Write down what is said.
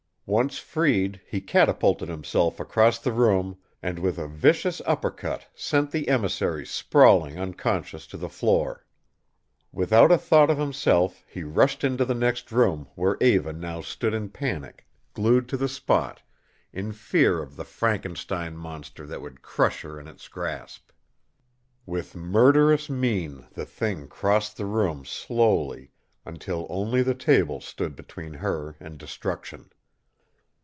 Once freed, he catapulted himself across the room and with a vicious upper cut sent the emissary sprawling unconscious to the floor. Without a thought of himself he rushed into the next room where Eva now stood in panic, glued to the spot, in fear of the Frankenstein monster that would crush her in its grasp. With murderous mien the thing crossed the room slowly, until only the table stood between her and destruction.